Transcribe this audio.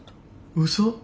うそ？